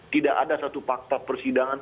tidak ada satu fakta persidangan